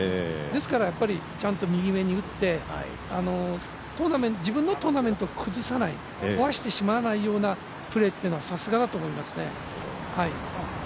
ですからちゃんと右めに打って、自分のトーナメントを崩さない壊してしまわないようなプレーっていうのはさすがだと思います。